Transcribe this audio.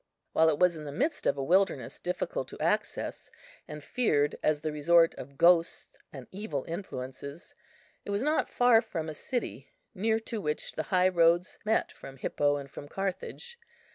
While it was in the midst of a wilderness difficult of access, and feared as the resort of ghosts and evil influences, it was not far from a city near to which the high roads met from Hippo and from Carthage.